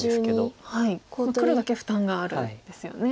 もう黒だけ負担があるんですよね。